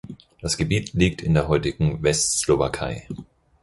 Das Gebiet liegt in der heutigen Westslowakei.